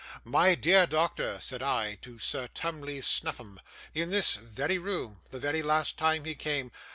"My dear doctor," said I to Sir Tumley Snuffim, in this very room, the very last time he came.